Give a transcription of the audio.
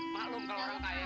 maklum kalau orang kaya